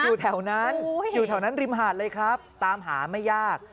อยู่แถวนั้นอยู่แถวนั้นริมหาดเลยครับตามหาไม่ยาก